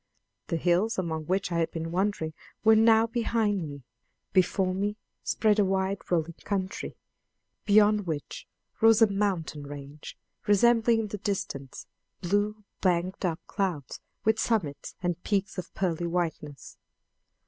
The hills among which I had been wandering were now behind me; before me spread a wide rolling country, beyond which rose a mountain range resembling in the distance blue banked up clouds with summits and peaks of pearly whiteness.